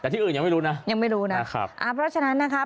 แต่ที่อื่นยังไม่รู้นะยังไม่รู้นะครับอ่าเพราะฉะนั้นนะครับ